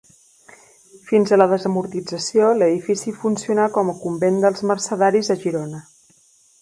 Fins a la Desamortització, l'edifici funcionà com a convent dels Mercedaris a Girona.